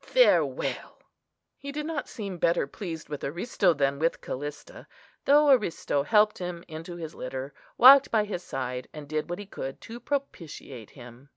Farewell!" He did not seem better pleased with Aristo than with Callista, though Aristo helped him into his litter, walked by his side, and did what he could to propitiate him.